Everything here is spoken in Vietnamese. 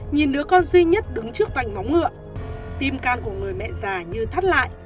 nhìn đứa con duy nhất đứng trước vành móng ngựa tim can của người mẹ già như thắt lại